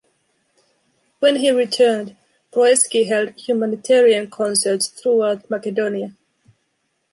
When he returned, Proeski held humanitarian concerts throughout Macedonia.